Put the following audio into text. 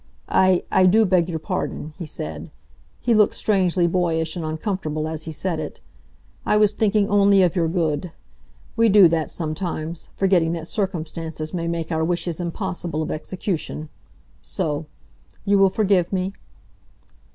"I I do beg your pardon," he said. He looked strangely boyish and uncomfortable as he said it. "I was thinking only of your good. We do that, sometimes, forgetting that circumstances may make our wishes impossible of execution. So. You will forgive me?"